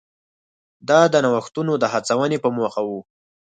دا د نوښتونو د هڅونې په موخه و.